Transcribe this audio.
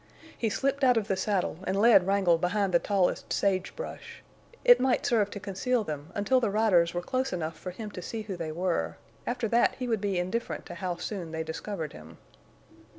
He slipped out of the saddle and led Wrangle behind the tallest sage brush. It might serve to conceal them until the riders were close enough for him to see who they were; after that he would be indifferent to how soon they discovered him.